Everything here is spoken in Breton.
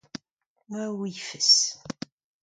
Ma ouifes.